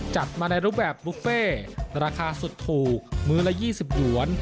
จัดมาในรูปแบบบุฟเฟ่ราคาสุดถูกมื้อละ๒๐หยวน